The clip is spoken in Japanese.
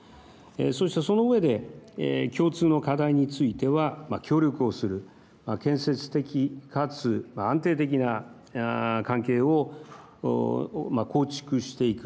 そして、その上で共通の課題については協力をする建設的かつ安定的な関係を構築していく。